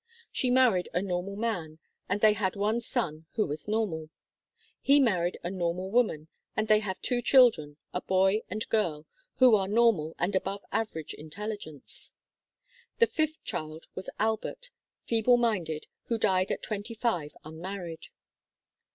She married a normal man and they had one son who was normal. He married a normal woman and they have two children, a boy and girl, who are normal and above average intelligence. The fifth child was Albert, feeble minded, who died at twenty five, unmarried.